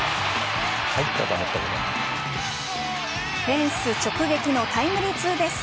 フェンス直撃のタイムリーツーベース。